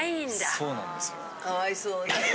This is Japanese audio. そうなんですよ。